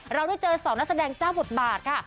เราได้เจอ๒นักแสดงเจ้าบทบาทค่ะ